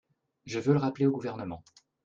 Je veux le rappeler au Gouvernement